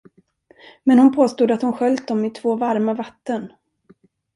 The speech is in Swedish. Men hon påstod, att hon sköljt dem i två varma vatten.